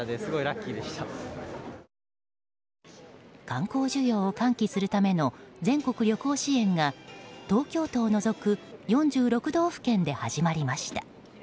観光需要を喚起するための全国旅行支援が東京都を除く４６道府県で始まりました。